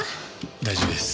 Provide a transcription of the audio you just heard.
大丈夫です。